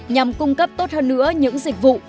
nhằm cung cấp tốt hơn nữa những dịch vụ